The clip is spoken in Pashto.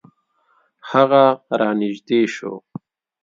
هغه را نژدې شو .